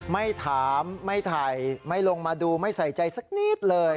ไม่ถามไม่ถ่ายไม่ลงมาดูไม่ใส่ใจสักนิดเลย